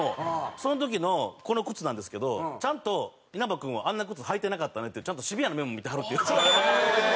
その時のこの靴なんですけどちゃんと「稲葉君はあんな靴履いてなかったね」っていうちゃんとシビアな面も見てはるっていう。